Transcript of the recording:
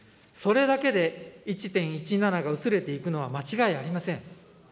それだけで１．１７が薄れていくのは間違いありません。